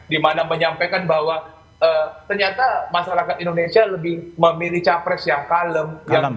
dimana menyampaikan bahwa ternyata masyarakat indonesia lebih memilih capres yang kalem